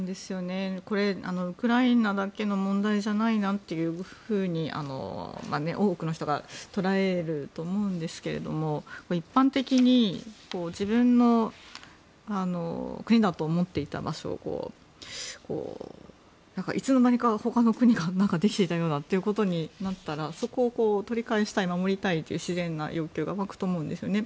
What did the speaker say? ウクライナだけの問題じゃないなと多くの人がとらえると思うんですけど一般的に自分の国だと思っていた場所にいつの間にか他の国ができていたということになったらそこを取り返したい守りたいという自然な欲求が湧くと思うんですね。